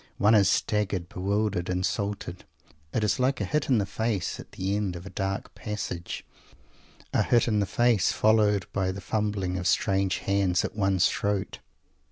One is staggered, bewildered, insulted. It is like a hit in the face, at the end of a dark passage; a hit in the face, followed by the fumbling of strange hands at one's throat.